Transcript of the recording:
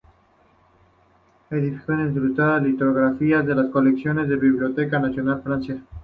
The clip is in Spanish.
Ediciones ilustradas y Litografía en las colecciones de la Biblioteca Nacional de Francia.